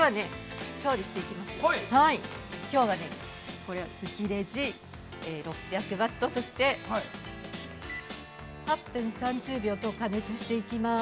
◆うきレジ、６００ワット、そして、８分３０秒と加熱していきます。